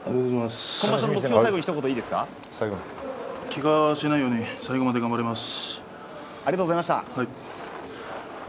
けがをしないように最後まで頑張ります。